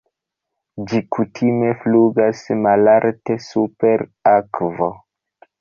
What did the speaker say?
Ĝi kutime flugas malalte super akvo.